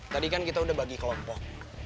tadi kan kita udah bagi kelompok